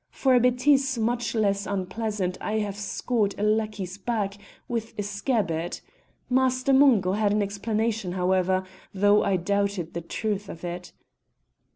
For a bêtise much less unpleasant I have scored a lackey's back with a scabbard. Master Mungo had an explanation, however, though I doubted the truth of it."